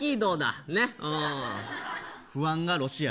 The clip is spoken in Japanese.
不安がロシア。